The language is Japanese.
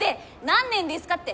何年ですかって！